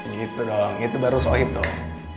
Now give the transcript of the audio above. gitu dong itu baru sohib dong